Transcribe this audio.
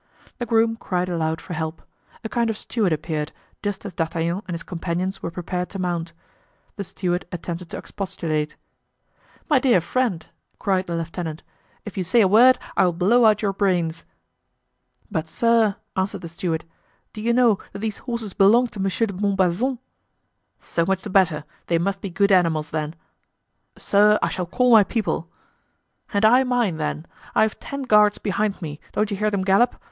The groom cried aloud for help. A kind of steward appeared, just as D'Artagnan and his companions were prepared to mount. The steward attempted to expostulate. "My dear friend," cried the lieutenant, "if you say a word I will blow out your brains." "But, sir," answered the steward, "do you know that these horses belong to Monsieur de Montbazon?" "So much the better; they must be good animals, then." "Sir, I shall call my people." "And I, mine; I've ten guards behind me, don't you hear them gallop?